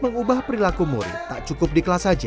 mengubah perilaku murid tak cukup di kelas saja